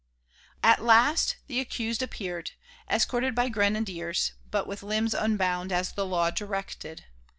At last the accused appeared, escorted by grenadiers, but with limbs unbound, as the law directed.